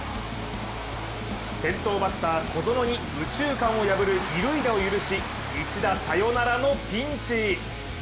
先頭バッター・小園に右中間を破る、二塁打を許し、１打サヨナラのピンチ。